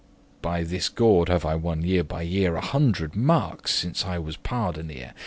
By this gaud* have I wonne year by year *jest, trick A hundred marks, since I was pardonere.